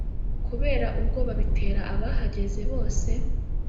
Kubera ubwoba bitera abahageze bose